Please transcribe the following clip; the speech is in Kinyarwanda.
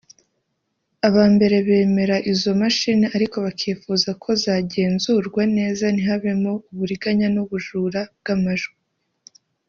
Aba mbere bemera izo mashini ariko bakifuza ko zagenzurwa neza ntihabemo uburiganya n’ubujura bw’amajwi